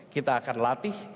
kita akan latih